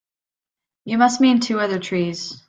You must mean two other trees.